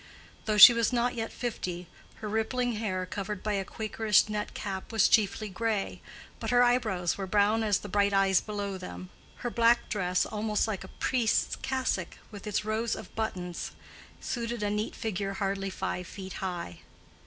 Though she was not yet fifty, her rippling hair, covered by a quakerish net cap, was chiefly gray, but her eyebrows were brown as the bright eyes below them; her black dress, almost like a priest's cassock with its rows of buttons, suited a neat figure hardly five feet high.